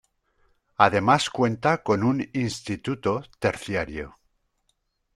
Además cuenta con un instituto terciario.